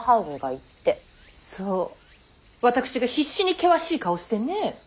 そう私が必死に険しい顔をしてね。